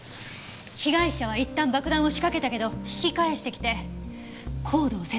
被害者はいったん爆弾を仕掛けたけど引き返してきてコードを切断したの。